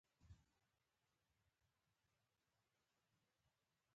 ازادي راډیو د اقلیتونه په اړه د نېکمرغۍ کیسې بیان کړې.